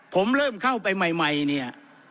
ผมเริ่มเข้าไปใหม่เนี่ย